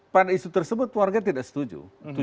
pada isu tersebut warga tidak setuju